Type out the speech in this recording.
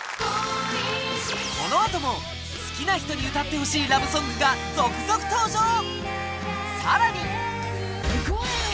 このあとも好きな人に歌ってほしいラブソングが続々登場。